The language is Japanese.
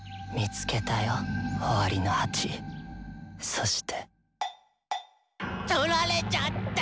そしてとられちゃった。